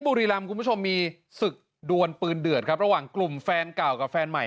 บุรีรำคุณผู้ชมมีศึกดวนปืนเดือดครับระหว่างกลุ่มแฟนเก่ากับแฟนใหม่